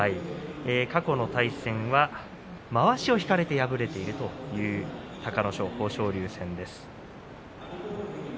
過去の対戦は、まわしを引かれて敗れているという隆の勝、豊昇龍戦です。